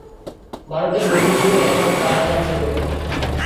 ভারতের মন্দিরগুলি এখান-কার চার্চের মত নয়।